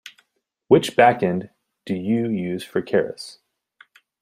Which backend do you use for Keras?